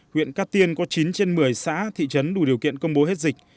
huyện cát tiên có chín trên một mươi xã thị trấn đủ điều kiện công bố hết dịch